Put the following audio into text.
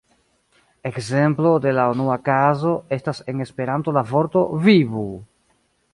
Ekzemplo de la unua kazo estas en Esperanto la vorto "vivu!